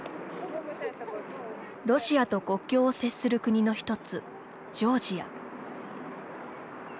ロシアと国境を接する国の一つジョージア。